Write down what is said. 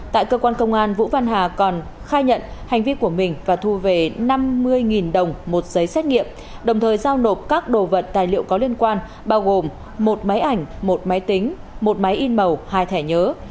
tại cơ quan công an vũ văn hà còn khai nhận hành vi của mình và thu về năm mươi đồng một giấy xét nghiệm đồng thời giao nộp các đồ vật tài liệu có liên quan bao gồm một máy ảnh một máy tính một máy in màu hai thẻ nhớ